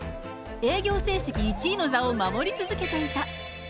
営業成績１位の座を守り続けていた。